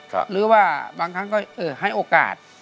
หรือว่าบางครั้งก็ให้โอกาส